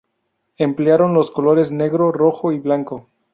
Emplearon los colores negro, rojo y blanco.